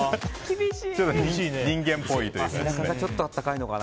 人間っぽいというか。